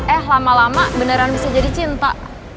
eh lama lama beneran bisa jadi cinta